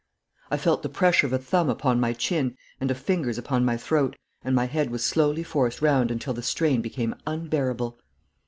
I felt the pressure of a thumb upon my chin and of fingers upon my throat, and my head was slowly forced round until the strain became unbearable.